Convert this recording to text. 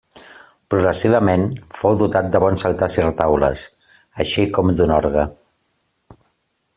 Progressivament fou dotat de bons altars i retaules, així com d'un orgue.